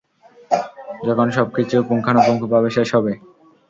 যখন সবকিছু পুঙ্খানুপুঙ্খভাবে শেষ হবে!